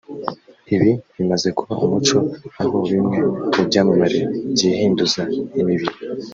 Ibi bimaze kuba umuco aho bimwe mu byamamare byihinduza imibiri